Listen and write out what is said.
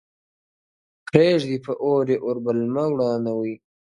پرېږدی په اور يې اوربل مه ورانوی؛